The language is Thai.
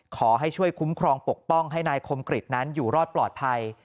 ขอให้ช่วยคุ้มครองปกป้องให้นายคมกริจนั้นอยู่รอดปลอดภัย